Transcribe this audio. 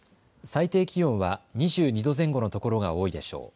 最低気温は２２度前後の所が多いでしょう。